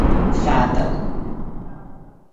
Faata.